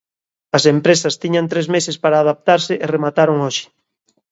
As empresas tiñan tres meses para adaptarse e remataron hoxe.